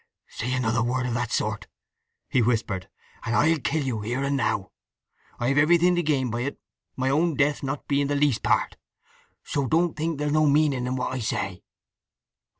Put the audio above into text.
"Say another word of that sort," he whispered, "and I'll kill you—here and now! I've everything to gain by it—my own death not being the least part. So don't think there's no meaning in what I say!"